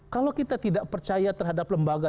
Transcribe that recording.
kalau kita tidak percaya terhadap lembaga